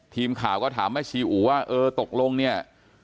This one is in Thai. ทีมข่าวก็ถามแม่ชีอู๋ว่าเออตกลงเนี่ย